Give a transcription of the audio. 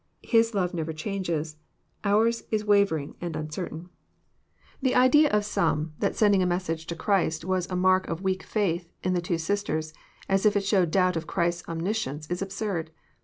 His love never changes : ours is wavering and uncertain. JOHN, CHAP. XI. 239 The idea of some, that sendiDg a message to Christ was a mark of weak faith in the two sisters, as if it showed doubt of Christ's omniscience, is absnrd.